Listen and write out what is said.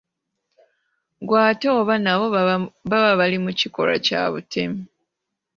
Ggwe ate oba nabo baba bali mu kikolwa kya butemu!